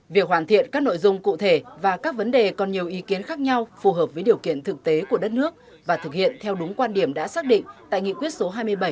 việc hoàn thiện các nội dung cụ thể và các vấn đề còn nhiều ý kiến khác nhau phù hợp với điều kiện thực tế của đất nước và thực hiện theo đúng quan điểm đã xác định tại nghị quyết số hai mươi bảy